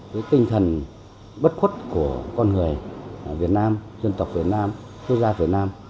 cái tinh thần bất khuất của con người việt nam dân tộc việt nam quốc gia việt nam